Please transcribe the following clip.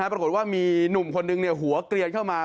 ปรากฏว่ามีหนุ่มคนนึงหัวเกลียนเข้ามา